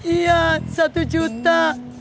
iya satu juta